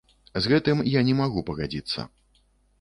З гэтым я не магу пагадзіцца.